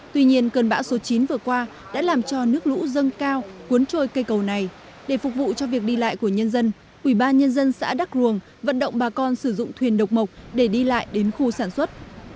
tuy nhiên cơn bão số chín vừa qua đã làm cho nước lũ dâng cao cuốn trôi cây cầu này để phục vụ cho việc đi lại của nhân dân ubnd xã đắk ruồng vận động bà con sử dụng thuyền độc mộc để đi lại đến khu sản xuất